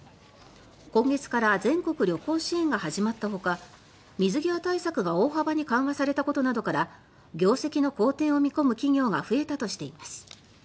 今月から全国旅行支援が始まったほか水際対策が大幅に緩和されたことなどから業績の好転を見込む企業が増えたとしています。